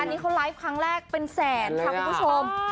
อันนี้เขาไลฟ์ครั้งแรกเป็นแสนค่ะคุณผู้ชม